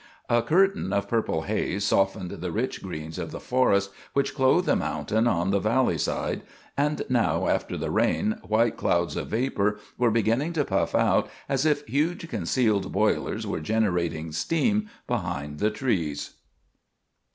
A curtain of purple haze softened the rich greens of the forest which clothed the mountain on the valley side, and now, after the rain, white clouds of vapor were beginning to puff out as if huge concealed boilers were generating steam behind the trees.